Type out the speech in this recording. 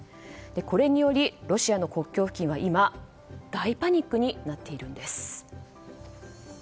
これによりロシアの国境付近は今大パニックになっています。